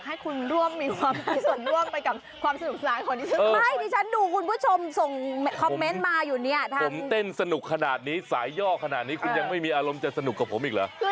หรือฉันอยากให้คุณร่วมมีความผิดส่วนร่วมไปกับความสนุกแซม